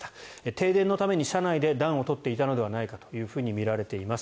停電のために車内で暖を取っていたのではないかとみられています。